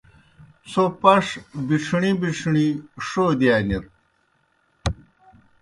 څھو پݜ بِڇھݨِی بِڇھݨِی ݜودِیانِت۔